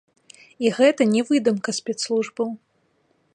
І гэта не выдумка спецслужбаў.